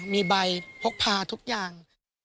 มีใบพกพาทุกอย่าง